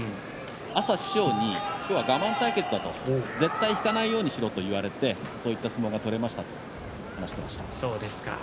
朝、師匠に今日は我慢対決だと絶対引かないようにしろと言われて、こういった相撲が取れましたと話していました。